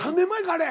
あれ。